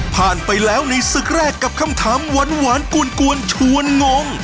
ผ่านไปแล้วในศึกแรกกับคำถามหวานกวนชวนงง